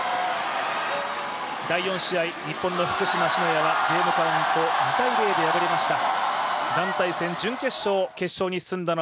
第４試合、日本の福島・篠谷はゲームカウント２−０で敗れました。